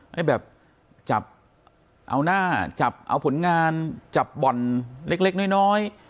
ให้แบบจับเอาหน้าจับเอาผลงานจับบ่อนเล็กน้อย